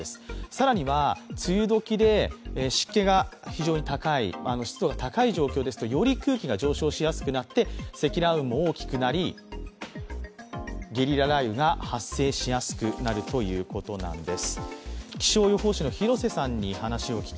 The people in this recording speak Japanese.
更には梅雨時で、湿気が非常に高い、湿度が高い状況ですと、より空気が上昇しやすくなって積乱雲も大きくなりゲリラ雷雨が発生しやすくなるということなんです。